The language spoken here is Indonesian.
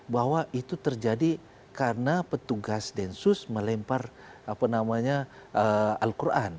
bahwa itu terjadi karena petugas densus melempar al quran